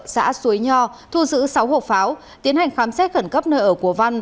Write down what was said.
xã suối nho thu giữ sáu hộp pháo tiến hành khám xét khẩn cấp nơi ở của văn